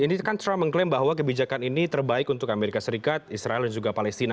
ini kan trump mengklaim bahwa kebijakan ini terbaik untuk amerika serikat israel dan juga palestina